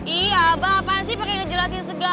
iya abah apaan sih pakai ngejelasin segala